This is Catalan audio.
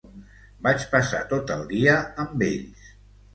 Vaig passar tot el dia amb ells.